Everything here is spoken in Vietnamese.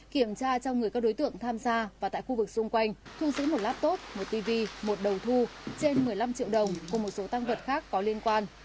kiểm tra trong người các đối tượng tham gia và tại khu vực xung quanh thu giữ một laptop một tv một đầu thu trên một mươi năm triệu đồng cùng một số tăng vật khác có liên quan